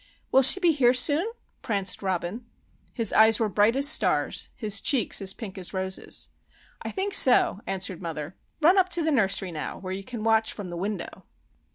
"Will she be here soon?" pranced Robin. His eyes were bright as stars, his cheeks as pink as roses. "I think so," answered mother. "Run up to the nursery now, where you can watch from the window."